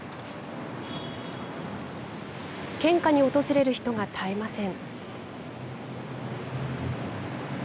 献花に訪れる人が絶えません。